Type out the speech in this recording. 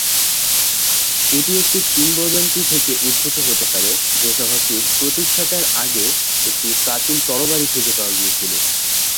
এটি একটি কিংবদন্তি থেকে উদ্ভূত হতে পারে যে শহরটির প্রতিষ্ঠার আগে একটি প্রাচীন তরবারি খুঁজে পাওয়া গিয়েছিল।